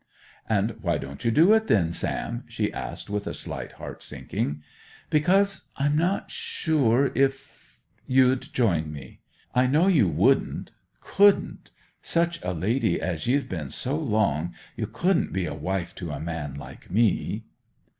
'And why don't you do it, then, Sam?' she asked with a slight heartsinking. 'Because I'm not sure if—you'd join me. I know you wouldn't—couldn't! Such a lady as ye've been so long, you couldn't be a wife to a man like me.